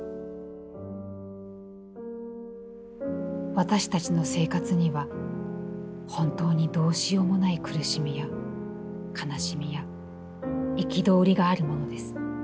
「私たちの生活には本当にどうしようもない苦しみや悲しみや憤りがあるものです。